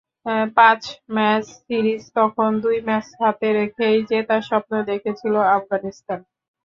পাঁচ match series তখন দুই ম্যাচ হাতে রেখেই জেতার স্বপ্ন দেখছিল আফগানিস্তান।